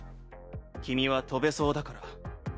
君は飛べそうだから。